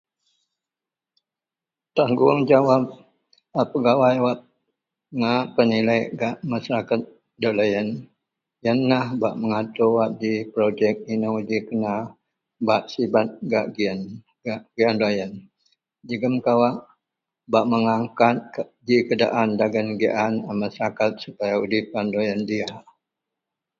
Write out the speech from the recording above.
Tanggungjawab a pegawai wak ngak penilek gak masaraket deloyen, yenlah bak mengatur ji projek, inou ji, kena bak sibet gak giyen gak gian deloyen jegem kawak bak mengangkat ji keadaan dagen gian masarakat udipean deloyen diyak.